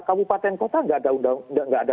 kabupaten kota tidak ada